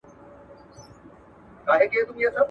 ته ولي لوستل کوې؟